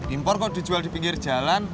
impor kok dijual di pinggir jalan